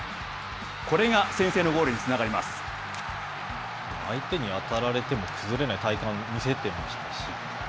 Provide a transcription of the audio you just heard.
これが先制のゴールにつながりま相手に当たられても、崩れない体幹を見せていましたし。